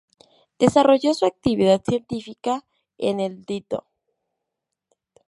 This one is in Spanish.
Desarrolló su actividad científica en el "Dto.